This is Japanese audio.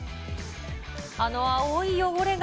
あの青い汚れが、